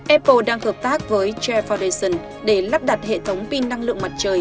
apple đang hợp tác với tra foundation để lắp đặt hệ thống pin năng lượng mặt trời